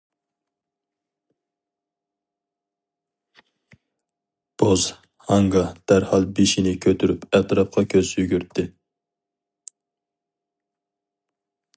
بوز ھاڭگا دەرھال بېشىنى كۆتۈرۈپ ئەتراپقا كۆز يۈگۈرتتى.